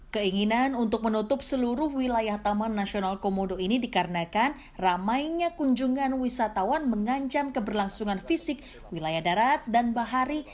keinginan untuk menutup seluruh wilayah taman nasional komodo ini dikarenakan ramainya kunjungan wisatawan mengancam keberlangsungan fisik wilayah darat dan bahari